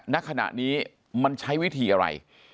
ณขณะนี้มันใช้วิธีอะไร